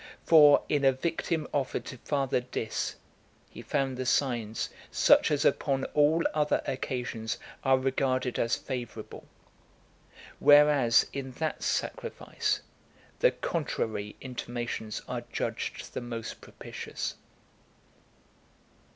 For, in a victim offered to Father Dis , he found the signs such as upon all other occasions are regarded as favourable; whereas, in that sacrifice, the contrary intimations are judged the most propitious.